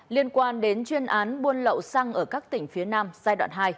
liên quan đến chuyên án buôn lậu xăng ở các tỉnh phía nam giai đoạn hai